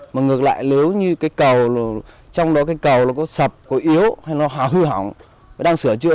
mà ngược lại nếu như cái cầu trong đó cây cầu nó có sập có yếu hay nó hư hỏng nó đang sửa chữa